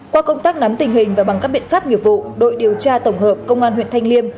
qua công tác nắm tình hình và bằng các biện pháp nghiệp vụ đội điều tra tổng hợp công an huyện thanh liêm